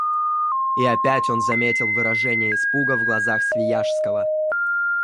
И опять он заметил выражение испуга в глазах Свияжского.